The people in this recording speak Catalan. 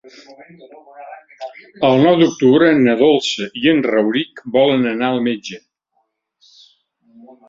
El nou d'octubre na Dolça i en Rauric volen anar al metge.